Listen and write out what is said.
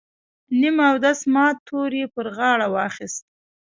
نیم اودس مات تور یې پر غاړه واخیست.